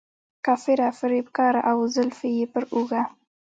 کافره، فریب کاره او زلفې یې پر اوږه.